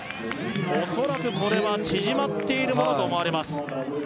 恐らくこれは縮まっているものと思われます